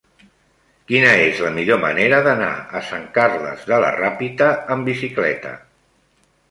Quina és la millor manera d'anar a Sant Carles de la Ràpita amb bicicleta?